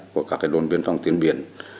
của các đồn biên phòng tuyên biển